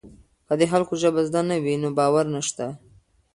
که د خلکو ژبه زده نه وي نو باور نشته.